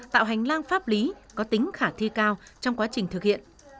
tạo hành lang pháp lý có tính khả thi cao trong quá trình thực hiện